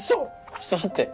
ちょっと待って。